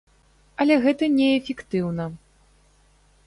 Але гэта не эфектыўна.